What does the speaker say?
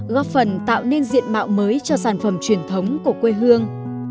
góp phần tạo nên diện mạo mới cho sản phẩm truyền thống của quê hương